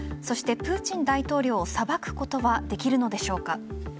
そしてプーチン大統領を裁くことはできるのでしょうか。